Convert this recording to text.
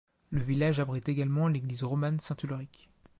Le village abrite également l'église romane Saint-Ulrich.